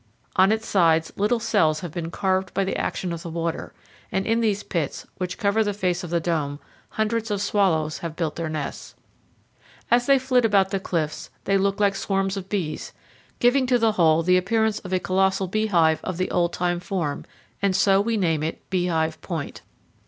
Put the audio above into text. On its sides little cells have been carved by the action of the water, and in these pits, which cover the face of the dome, hundreds of swallows have built their nests. As they flit about the cliffs, they look like swarms of bees, giving to the whole the appearance of a colossal beehive of the old time form, and so we name it Beehive Point.